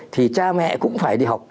thì cha mẹ cũng phải đi học